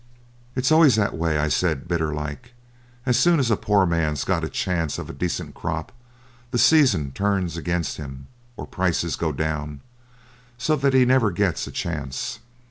'It's always the way,' I said, bitter like. 'As soon as a poor man's got a chance of a decent crop, the season turns against him or prices go down, so that he never gets a chance.'